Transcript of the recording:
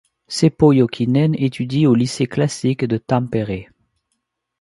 Seppo Jokinen étudie au lycée classique de Tampere.